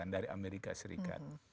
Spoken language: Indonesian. dari amerika serikat